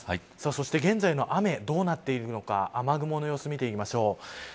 そして現在の雨どうなっているのか雨雲の様子見ていきましょう。